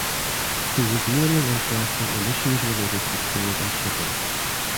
He was mainly interested in issues related to trade and shipping.